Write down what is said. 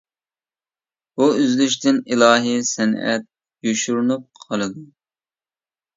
بۇ ئۈزۈلۈشتىن ئىلاھىي سەنئەت يوشۇرۇنۇپ قالىدۇ.